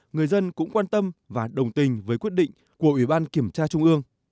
người dân cũng quan tâm và đồng tình với quyết định của ủy ban kiểm tra trung ương